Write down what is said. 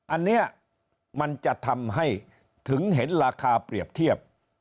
อันนี้มันจะทำให้ถึงเห็นราคาเปรียบเทียบ